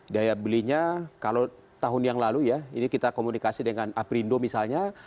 daya belinya kalau tahun yang lalu ya ini kita komunikasi dengan aprindo misalnya